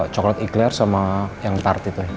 coklat igler sama yang tart itu